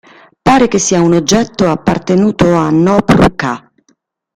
Pare che sia un oggetto appartenuto a Nophru-Ka.